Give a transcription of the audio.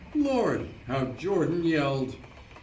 ... Lordl How Jordan yelled."